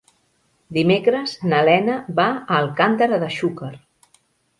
Dimecres na Lena va a Alcàntera de Xúquer.